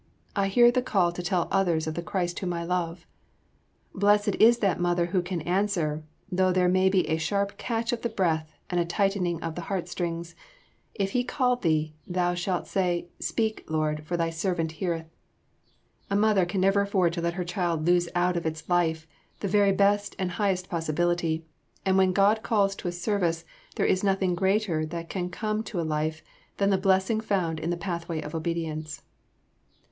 I hear the call to tell others of the Christ whom I love!" Blessed is that mother who can answer, though there may be a sharp catch of the breath and a tightening of the heart strings, "If He call thee, thou shalt say, 'Speak, Lord, for thy servant heareth.'" A mother can never afford to let her child lose out of its life the very best and highest possibility, and when God calls to a service, there is nothing greater that can come to a life than the blessing found in the pathway of obedience.